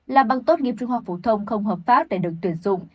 là bằng tốt nghiệp trung học phổ thông không hợp pháp để được tuyển dụng